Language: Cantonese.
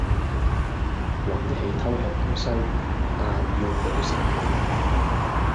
還一起偷吃東西但要保守秘密